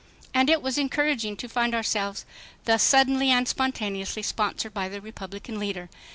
And it was encouraging to find ourselves thus suddenly and spontaneously sponsored by the Republican leader.